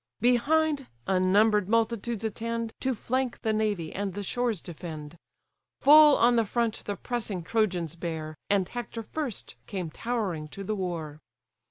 Behind, unnumber'd multitudes attend, To flank the navy, and the shores defend. Full on the front the pressing Trojans bear, And Hector first came towering to the war.